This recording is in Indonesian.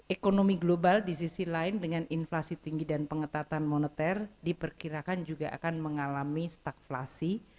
ekonomi global di sisi lain dengan inflasi tinggi dan pengetatan moneter diperkirakan juga akan mengalami stagflasi